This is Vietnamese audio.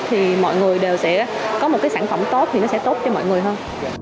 thì mọi người đều sẽ có một cái sản phẩm tốt thì nó sẽ tốt cho mọi người hơn